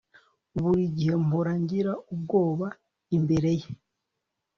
Buri gihe mpora ngira ubwoba imbere ye